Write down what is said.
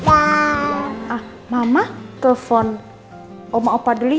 ah mama telpon oma opa dulu ya